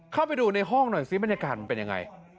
เข้าไปดูในห้องหน่อยซิบรรยากาศมันเป็นยังไง